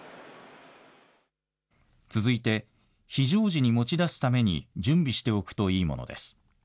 続いて非常時に持ち出すために準備しておくといいものです。